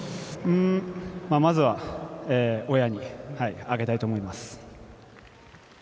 まずは親にあげたいと思います。